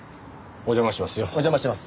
お邪魔します。